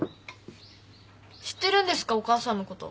知ってるんですかお母さんのこと。